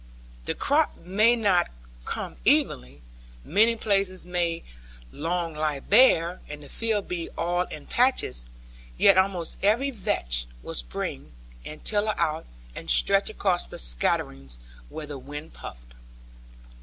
The crop may not come evenly, many places may long lie bare, and the field be all in patches; yet almost every vetch will spring, and tiller out, and stretch across the scatterings where the wind puffed.